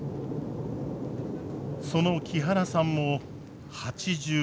その木原さんも８６歳。